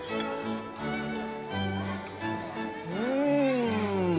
うん！